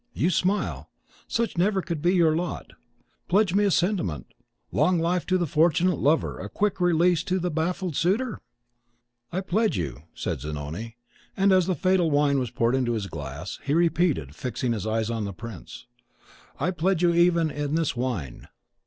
You smile! Such never could be your lot. Pledge me in a sentiment, 'Long life to the fortunate lover, a quick release to the baffled suitor'?" "I pledge you," said Zanoni; and, as the fatal wine was poured into his glass, he repeated, fixing his eyes on the prince, "I pledge you even in this wine!"